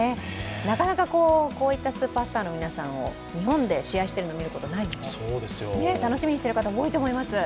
なかなかこういったスーパースターの皆さんを日本で試合をしているのを見ることはないので、楽しみにしている方も多いと思います。